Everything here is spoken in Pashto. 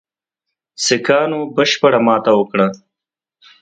سیکهانو بشپړه ماته وکړه.